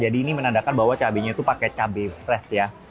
jadi ini menandakan bahwa cabenya itu pake cabai freshnya